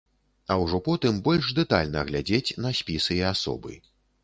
А ўжо потым больш дэтальна глядзець на спісы і асобы.